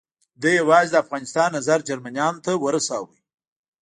ده یوازې د افغانستان نظر جرمنیانو ته ورساوه.